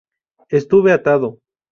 Estuve atado.